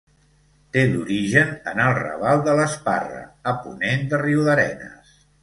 Té l'origen en el Raval de l'Esparra, a ponent de Riudarenes.